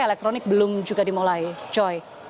elektronik belum juga dimulai joy